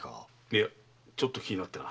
いやちょっと気になってな。